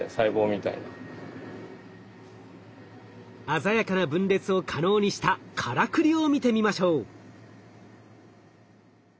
鮮やかな分裂を可能にしたからくりを見てみましょう。